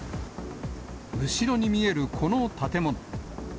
後ろに見えるこの建物。